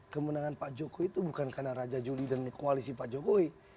kemenangan pak jokowi itu bukan karena raja juli dan koalisi pak jokowi